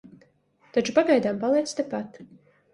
Taču pagaidām paliec tepat.